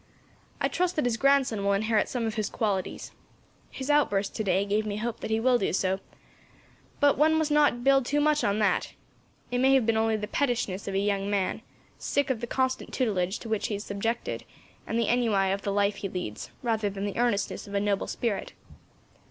I trust that his grandson will inherit some of his qualities. His outburst, today, gave me hope that he will do so; but one must not build too much on that. It may have been only the pettishness of a young man, sick of the constant tutelage to which he is subjected, and the ennui of the life he leads, rather than the earnestness of a noble spirit.